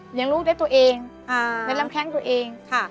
เหลียงลูกได้ตัวเองในลำแข็งตัวเองค่ะ